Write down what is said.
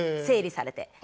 整理されて。